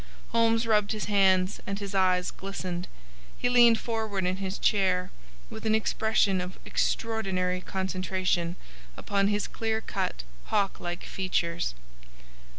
Holmes rubbed his hands, and his eyes glistened. He leaned forward in his chair with an expression of extraordinary concentration upon his clear cut, hawklike features.